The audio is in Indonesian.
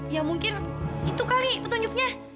ya mungkin itu kali petunjuknya